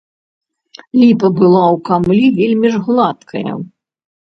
Ліпа была ў камлі вельмі ж гладкая.